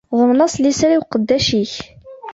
Ḍemn-as liser i uqeddac-ik.